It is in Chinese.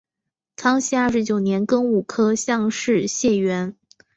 康熙二十九年庚午科乡试解元。